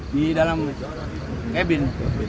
di dalam cabin